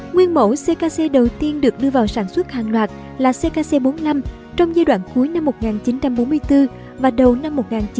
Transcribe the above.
nguyên mẫu ckc đầu tiên được đưa vào sản xuất hàng loạt là ckc bốn mươi năm trong giai đoạn cuối năm một nghìn chín trăm bốn mươi bốn và đầu năm một nghìn chín trăm bốn mươi năm